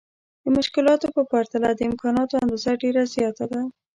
د مشکلاتو په پرتله د امکاناتو اندازه ډېره زياته ده.